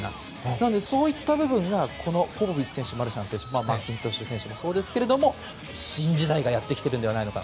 なので、そういった部分がポポビッチ選手やマルシャン選手マッキントッシュ選手もそうですけど新時代がやってきているのではないか。